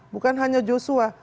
bukan hanya joshua